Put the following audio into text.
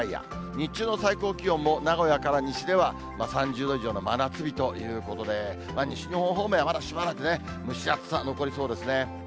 日中の最高気温も、名古屋から西では３０度以上の真夏日ということで、西日本方面、まだしばらくね、蒸し暑さ残りそうですね。